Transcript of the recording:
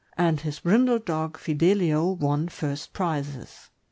and his brindled dog Fidelio won lirst prizes.